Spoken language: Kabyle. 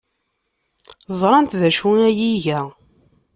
Ẓrant d acu ay iga?